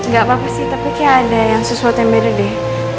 gak apa apa sih tapi kayak ada yang sesuatu yang beda deh